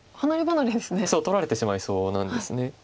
そう取られてしまいそうなんです。